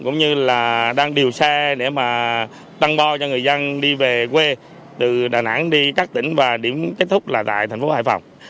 cũng như là đang điều xe để mà tăng bo cho người dân đi về quê từ đà nẵng đi các tỉnh và điểm kết thúc là tại thành phố hải phòng